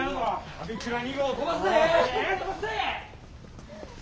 アビキュラ２号飛ばすで！